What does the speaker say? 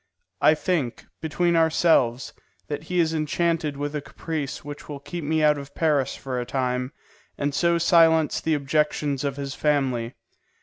I think, between ourselves, that he is enchanted with a caprice which will keep me out of Paris for a time, and so silence the objections of his family.